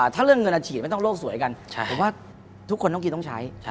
ถ้าเรื่องเงินอาจริงไม่ต้องลวกสวยกันเขาบอกว่าทุกคนกินต้องใช้